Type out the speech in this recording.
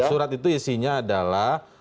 surat itu isinya adalah